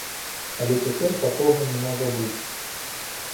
Але цяпер такога не можа быць.